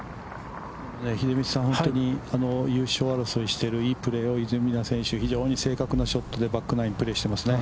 秀道さん、本当に優勝争いしているいいプレー、出水田選手、非常に正確なショットでバックナイン、プレーしていますね。